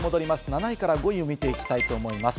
７位から５位を見ていきたいと思います。